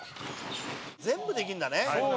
全部できるんだね。